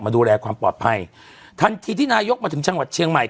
ดูแลความปลอดภัยทันทีที่นายกมาถึงจังหวัดเชียงใหม่